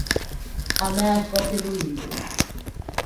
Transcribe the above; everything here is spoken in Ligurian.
A mæ còpia do libbro.